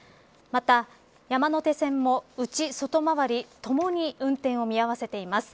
また山手線も内、外回りともに運転を見合わせています。